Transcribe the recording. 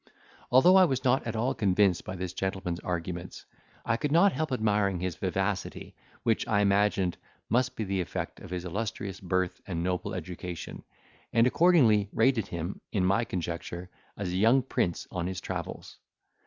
Although I was not at all convinced by this gentleman's arguments, I could not help admiring his vivacity which, I imagined, must be the effect of his illustrious birth and noble education, and accordingly rated him, in my conjecture, as a young prince on his travels.